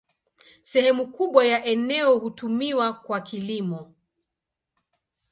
Sehemu kubwa ya eneo hutumiwa kwa kilimo.